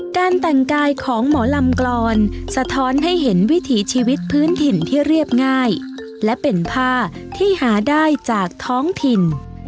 การแต่งกายของหมอลำกรอนสะท้อนให้เห็นวิถีชีวิตพื้นถิ่นที่เรียบง่ายและเป็นผ้าที่หาได้จากท้องถิ่น